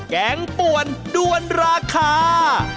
แกงป่วนด้วนราคา